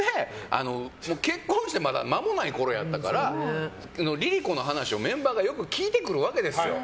結婚してまだ間もないころやったからＬｉＬｉＣｏさんの話をメンバーがよく聞いてくるわけですよ。